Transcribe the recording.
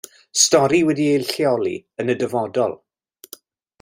Stori wedi'i lleoli yn y dyfodol.